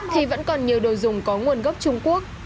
thì vẫn còn nhiều đồ dùng có nguồn gốc trung quốc